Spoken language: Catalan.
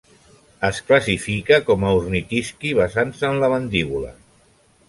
Es classifica com a ornitisqui basant-se en la mandíbula.